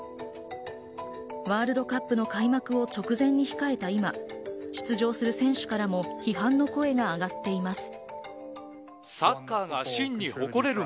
ワールドカップの開幕を直前に控えた今、出場する選手からも批判の声が上がっています。